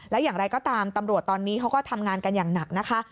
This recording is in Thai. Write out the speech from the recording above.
และอย่างไรก็ตามตำรวจตอนนี้เขาก็ทำงานกันอย่างหนักนะคะ